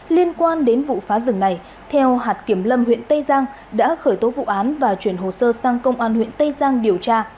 liên quan đến vụ phá rừng này theo hạt kiểm lâm huyện tây giang đã khởi tố vụ án và chuyển hồ sơ sang công an huyện tây giang điều tra